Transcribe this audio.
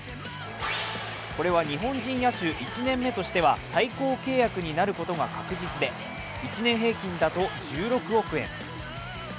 これは日本人野手１年目としては最高契約になることが確実で１年平均だと１６億円。